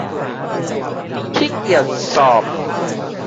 ขี้เกียจสอบ